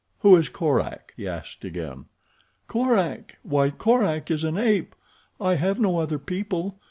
Who is Korak?" he asked again. "Korak! Why Korak is an ape. I have no other people.